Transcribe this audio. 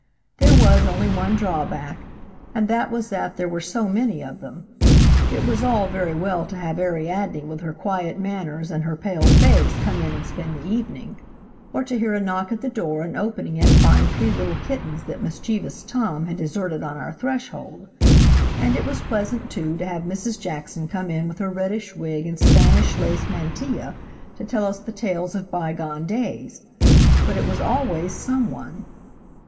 There was only one drawback, and that was that there were so many of them. It was all very well to have Ariadne with her quiet manners and her pale face come in and spend the evening, or to hear a knock at the door and opening it find three little kittens that mischievous Tom had deserted on our threshold; and it was pleasant, too, to have Mrs Jackson come in with her reddish wig and Spanish lace mantilla to tell us the tales of bygone days–but it was always someone.